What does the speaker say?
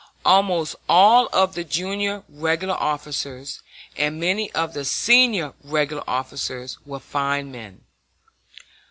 Almost all of the junior regular officers, and many of the senior regular officers, were fine men.